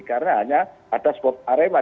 karena hanya ada support arema